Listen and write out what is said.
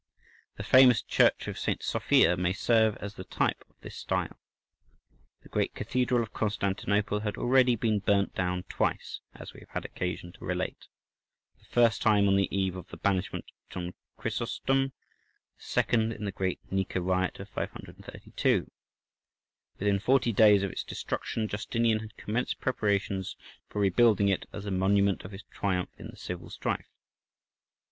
The famous Church of St. Sophia may serve as the type of this style. The great cathedral of Constantinople had already been burnt down twice, as we have had occasion to relate: the first time on the eve of the banishment of John Chrysostom, the second in the great "Nika" riot of 532. Within forty days of its destruction Justinian had commenced preparations for rebuilding it as a monument of his triumph in the civil strife.